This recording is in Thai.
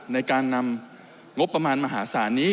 ในการนำงบประมาณมหาศาลนี้